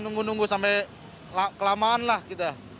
nunggu nunggu sampai kelamaan lah kita